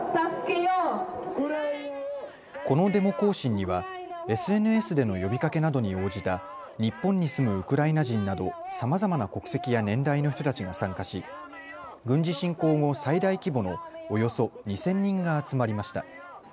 このデモ行進にはＳＮＳでの呼びかけなどに応じた日本に住むウクライナ人などさまざまな国籍や年代の人たちが参加し軍事侵攻後、最大規模のおよそ２０００人が集まりました。